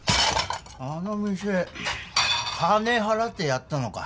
あの店金払ってやったのか？